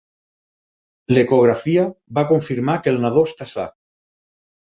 L'ecografia va confirmar que el nadó està sa.